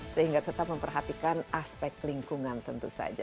sehingga tetap memperhatikan aspek lingkungan tentu saja